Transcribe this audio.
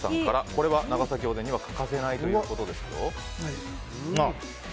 これは長崎おでんには欠かせないということです。